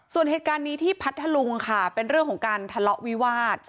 ส่วนเหตุการณ์นี้ที่พัทธลุงค่ะเป็นเรื่องของการทะเลาะวิวาส